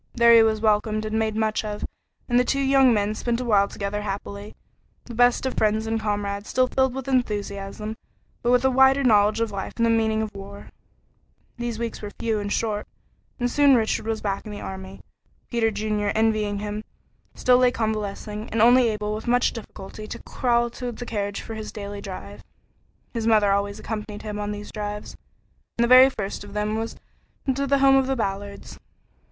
There he was welcomed and made much of, and the two young men spent a while together happily, the best of friends and comrades, still filled with enthusiasm, but with a wider knowledge of life and the meaning of war. These weeks were few and short, and soon Richard was back in the army. Peter Junior, envying him, still lay convalescing and only able with much difficulty to crawl to the carriage for his daily drive. His mother always accompanied him on these drives, and the very first of them was to the home of the Ballards.